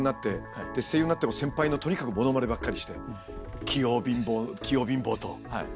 声優になっても先輩のとにかくモノマネばっかりして「器用貧乏」「器用貧乏」と言われて。